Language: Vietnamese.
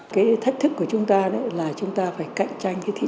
cái thách thức của chúng ta là chúng ta phải cạnh tranh cái thị trường